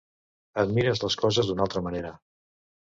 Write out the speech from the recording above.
Et mires les coses d’una altra manera.